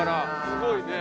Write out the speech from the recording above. すごいね。